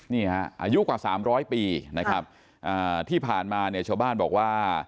นี่ฮะอายุกว่าสามร้อยปีนะครับที่ผ่านมาเนี่ยชาวบ้านบอกว่า